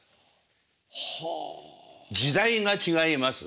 時代が違います